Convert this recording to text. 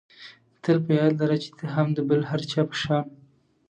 تل په یاد لره چې ته هم د بل هر چا په شان.